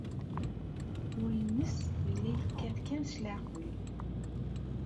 Ul-nnes yella yekkat kan s leɛqel.